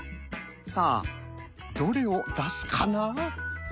さあどれを出すかな？